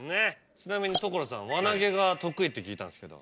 ちなみに所さん輪投げが得意って聞いたんですけど。